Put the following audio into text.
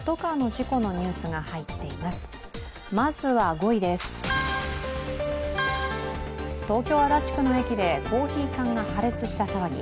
５位には東京・足立区でコーヒー缶が破裂した騒ぎ。